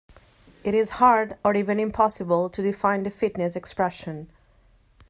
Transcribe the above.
It is hard or even impossible to define the fitness expression.